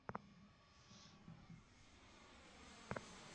সেনদিদির ছেলে কান্না থামাইয়াছিল।